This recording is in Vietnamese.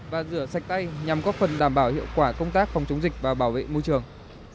và rửa sạch tay nhằm góp phần đảm bảo hiệu quả công tác phòng chống dịch và bảo vệ môi trường